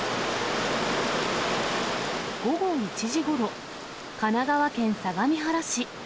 午後１時ごろ、神奈川県相模原市。